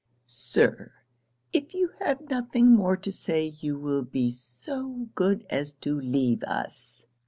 Sir, if you have nothing more to say you will be so good as to leave us.'